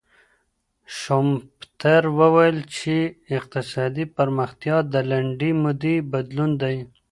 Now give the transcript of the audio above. شومپتر وويل چی اقتصادي پرمختيا د لنډې مودې بدلون دی.